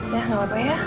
ya gak apa apa ya